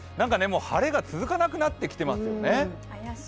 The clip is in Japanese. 晴れが続かなくなってきてますよね。